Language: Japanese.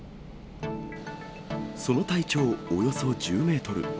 その体長およそ１０メートル。